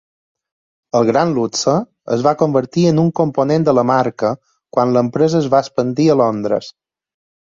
El gran luxe es va convertir en un component de la marca quan l'empresa es va expandir a Londres.